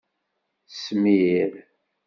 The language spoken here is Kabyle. Smir.